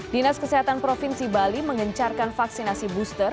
dinas kesehatan provinsi bali mengencarkan vaksinasi booster